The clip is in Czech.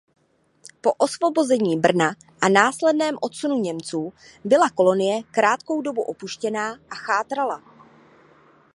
Po osvobození Brna a následném odsunu Němců byla kolonie krátkou dobu opuštěná a chátrala.